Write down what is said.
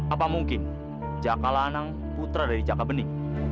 apa mungkin jakal anak putra dari jaka bening